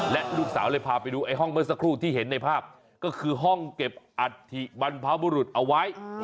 และลูกสาวเลยพาไปดูไอ้ห้องเมื่อสักครู่ที่เห็นในภาพก็คือห้องเก็บอัฐิบรรพบุรุษเอาไว้